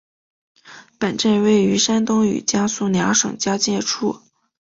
本镇位于山东与江苏两省交界处。